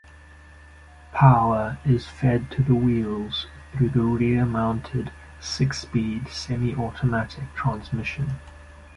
Power is fed to the wheels through a rear-mounted, six-speed semi-automatic transmission.